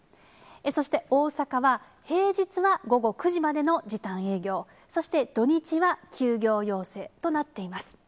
そして大阪は、平日は午後９時までの時短営業、そして土日は休業要請となっています。